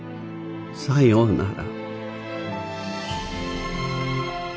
さようなら。